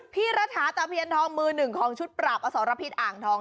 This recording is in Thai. พี่รัฐาตะเพียนทองมือหนึ่งของชุดปราบอสรพิษอ่างทอง